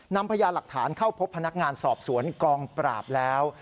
พญาหลักฐานเข้าพบพนักงานสอบสวนกองปราบแล้ว